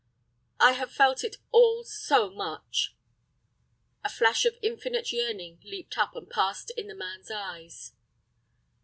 "I have felt it all so much." A flash of infinite yearning leaped up and passed in the man's eyes.